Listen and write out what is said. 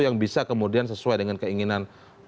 yang bisa kemudian sesuai dengan keinginan